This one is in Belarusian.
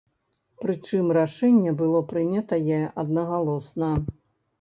Прычым рашэнне было прынятае аднагалосна.